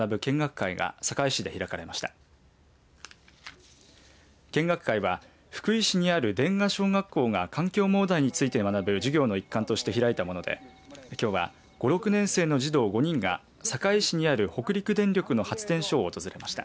見学会は福井市にある殿下小学校が環境問題について学ぶ授業の一環として開いたものできょうは５・６年生の児童５人が坂井市にある北陸電力の発電所を訪れました。